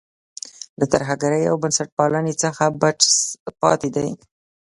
له ترهګرۍ او بنسټپالۍ څخه بچ پاتې دی.